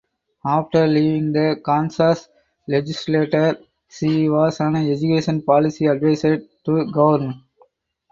After leaving the Kansas Legislature she was an education policy advisor to Gov.